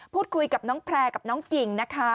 พูดคุยกับน้องแพร่กับน้องกิ่งนะคะ